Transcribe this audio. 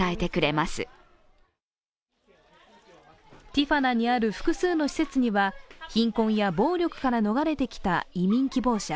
ティファナにある複数の施設には貧困や暴力から逃れてきた移民希望者